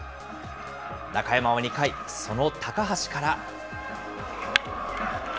中山は２回、その高橋から。